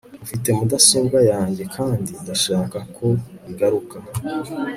ufite mudasobwa yanjye kandi ndashaka ko igaruka